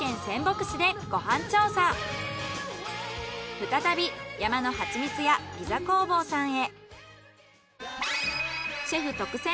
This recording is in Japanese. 再び山のはちみつ屋ピザ工房さんへ。